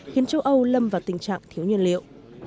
khiến châu âu lâm vào tình trạng thiếu nhiên liệu